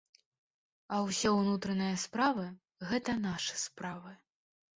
А ўсе ўнутраныя справы, гэта нашы справы.